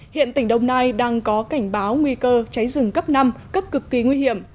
hiện tỉnh đồng nai đang có cảnh báo nguy cơ cháy rừng cấp năm cấp cực kỳ nguy hiểm